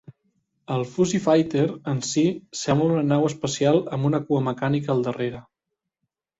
El Fuzzy Fighter en si sembla una nau espacial amb una cua mecànica al darrere.